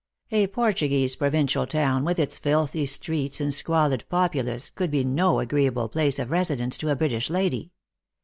A Portuguese provincial town, with its filthy streets and squalid populace, could be no agreeable place of residence to a British lady.